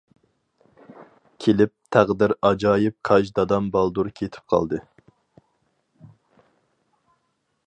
كېلىپ تەقدىر ئاجايىپ كاج دادام بالدۇر كېتىپ قالدى.